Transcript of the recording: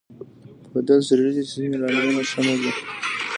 پوهېدل ضروري دي چې ځینې لاملونه ښه نه دي